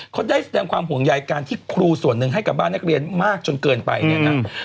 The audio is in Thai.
เขาได้แสดงความห่วงใยการที่ครูส่วนหนึ่งให้กับบ้านนักเรียนมากจนเกินไปเนี่ยนะ